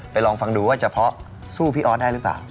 ลองฟังดูว่าเฉพาะสู้พี่ออสได้หรือเปล่า